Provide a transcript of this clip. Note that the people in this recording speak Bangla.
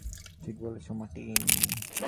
ঠিক বলেছো, মার্টিন।